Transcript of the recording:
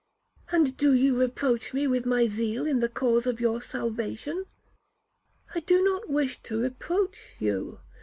'And do you reproach me with my zeal in the cause of your salvation?' 'I do not wish to reproach you.